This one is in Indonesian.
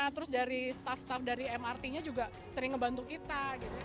terus dari staff staff dari mrt nya juga sering ngebantu kita